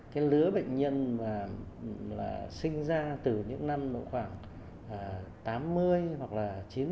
cái lứa bệnh nhân mà sinh ra từ những năm khoảng tám mươi hoặc là chín mươi